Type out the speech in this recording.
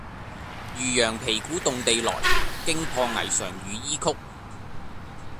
漁陽鼙鼓動地來，驚破霓裳羽衣曲。